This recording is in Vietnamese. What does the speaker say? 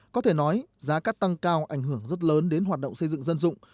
có thể nói giá cắt tăng cao ảnh hưởng rất lớn đến hoạt động xây dựng dân dụng